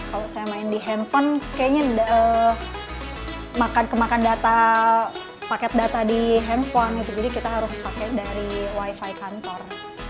kalau saya main di handphone kayaknya makan kemakan data paket data di handphone gitu jadi kita harus pakai dari wifi kantor